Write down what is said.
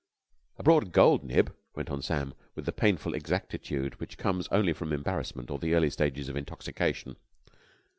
"A broad gold nib," went on Sam, with the painful exactitude which comes only from embarrassment or the early stages of intoxication.